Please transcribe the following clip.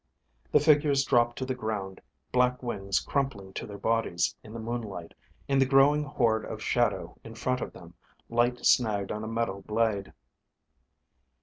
The figures dropped to the ground, black wings crumpling to their bodies in the moonlight. In the growing hoard of shadow in front of them, light snagged on a metal blade.